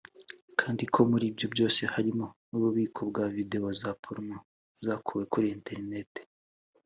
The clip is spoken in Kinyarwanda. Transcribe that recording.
kandi ko muri ibyo byose harimo n’ububiko bwa videwo za « porno » zakuwe kuri internet